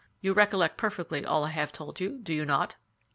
You recollect perfectly all I have told you, do you not?"